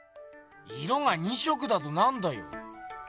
色が２色だとなんだよ？